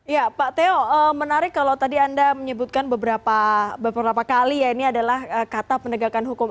ya pak teo menarik kalau tadi anda menyebutkan beberapa kali ya ini adalah kata pendegakan hukum